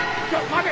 待て！